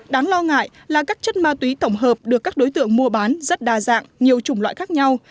đáng lo ngại là các chất ma túy tổng hợp được các đối tượng mua bán rất đa dạng nhiều chủng loại khác nhau